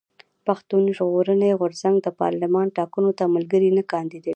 پښتون ژغورني غورځنګ د پارلېمان ټاکنو ته ملګري نه کانديدوي.